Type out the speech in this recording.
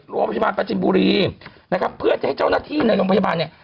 โรงพยาบาลประจินบุรีนะครับเพื่อจะให้เจ้าหน้าที่ในโรงพยาบาลเนี่ย